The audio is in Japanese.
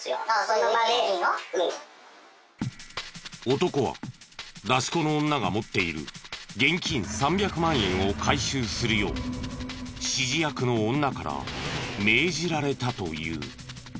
男は出し子の女が持っている現金３００万円を回収するよう指示役の女から命じられたという。